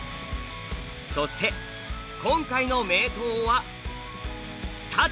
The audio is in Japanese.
そして今回の名刀は太刀。